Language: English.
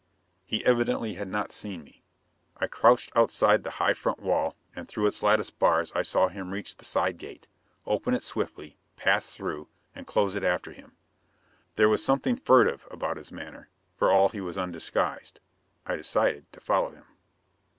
He evidently had not seen me. I crouched outside the high front wall, and through its lattice bars I saw him reach the side gate, open it swiftly, pass through, and close it after him. There was something furtive about his manner, for all he was undisguised. I decided to follow him.